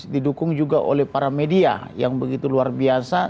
didukung juga oleh para media yang begitu luar biasa